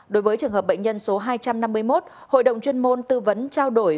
đối với trường hợp bệnh nhân số hai trăm năm mươi một hội đồng chuyên môn tư vấn trao đổi